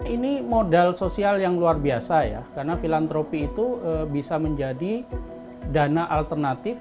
ini modal sosial yang luar biasa ya karena filantropi itu bisa menjadi dana alternatif